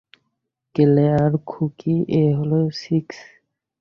Claire, খুকি, এ হলো সিক্স।